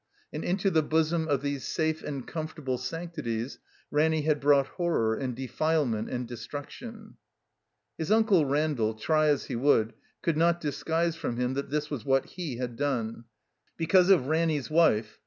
And into the bosom of these safe and comfortable sanctities Ranny had brought horror and defilement and destruction. His Unde Randall, try as he would, could not disguise from him that this was what he had done. Because of Ranny's wife.